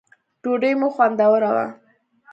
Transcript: ډوډی مو خوندوره وه